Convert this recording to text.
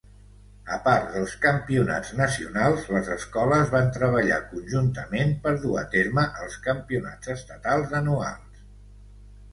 A part dels campionats nacionals, les escoles van treballar conjuntament per dur a terme els campionats estatals anuals.